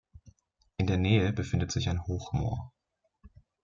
In der Nähe befindet sich ein Hochmoor.